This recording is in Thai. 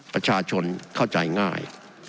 ประชาชนเข้าใจง่าย